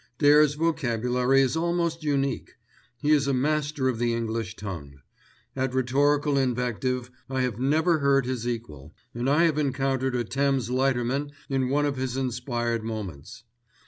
Dare's vocabulary is almost unique. He is a master of the English tongue. At rhetorical invective I have never heard his equal, and I have encountered a Thames lighterman in one of his inspired moments.